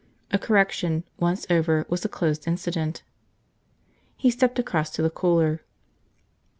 A correction, once over, was a closed incident. He stepped across to the cooler.